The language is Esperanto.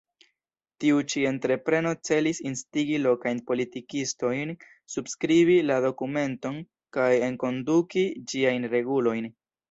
Tiu ĉi entrepreno celis instigi lokajn politikistojn subskribi la dokumenton kaj enkonduki ĝiajn regulojn.